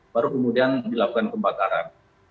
baru kemudian dilakukan pembakaran